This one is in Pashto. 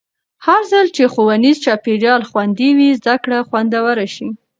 هرځل چې ښوونیز چاپېریال خوندي وي، زده کړه خوندوره شي.